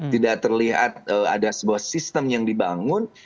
tidak terlihat ada sebuah sistem yang dibangun